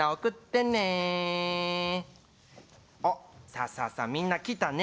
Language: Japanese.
さあさあさあみんな来たね。